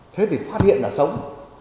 thế thì phát hiện là sống